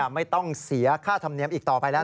ไม่ต้องเสียค่าธรรมเนียมอีกต่อไปแล้ว